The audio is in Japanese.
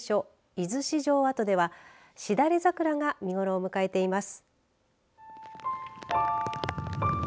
出石城跡ではしだれ桜が見頃を迎えています。